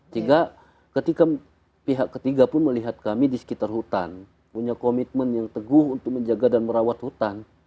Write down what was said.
sehingga ketika pihak ketiga pun melihat kami di sekitar hutan punya komitmen yang teguh untuk menjaga dan merawat hutan